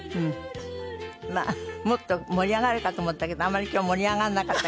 もっと盛り上がるかと思ったけどあんまり今日盛り上がらなかった。